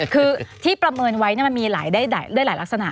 คือที่ประเมินไว้มันมีหลายลักษณะ